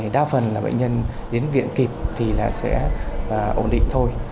đa phần là bệnh nhân đến viện kịp thì sẽ ổn định thôi